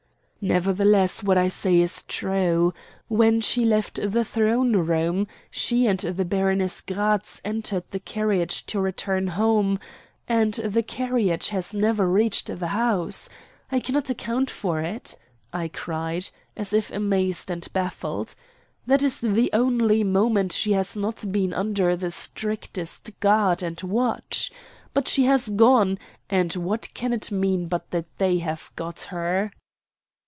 "Nevertheless what I say is true. When she left the throne room she and the Baroness Gratz entered the carriage to return home, and the carriage has never reached the house. I cannot account for it," I cried, as if amazed and baffled. "That is the only moment she has not been under the strictest guard and watch. But she has gone, and what can it mean but that they have got her?"